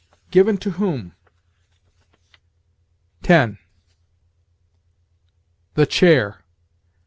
Given to whom? 10. "The chair."